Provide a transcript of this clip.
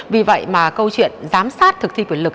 vì vậy mà câu chuyện giám sát thực thi quyền lực